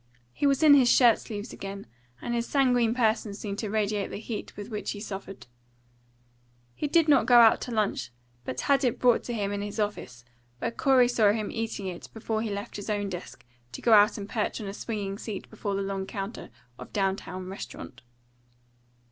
He was in his shirt sleeves again, and his sanguine person seemed to radiate the heat with which he suffered. He did not go out to lunch, but had it brought to him in his office, where Corey saw him eating it before he left his own desk to go out and perch on a swinging seat before the long counter of a down town restaurant.